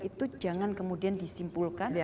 itu jangan kemudian disimpulkan